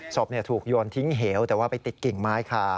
ศพถูกโยนทิ้งเหวแต่ว่าไปติดกิ่งไม้คา